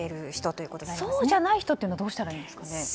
そうじゃない人はどうしたらいいんですかね。